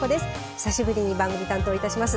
久しぶりに番組担当いたします。